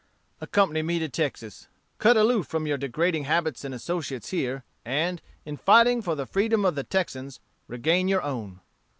"'Accompany me to Texas. Cut aloof from your degrading habits and associates here, and, in fighting for the freedom of the Texans, regain your own.'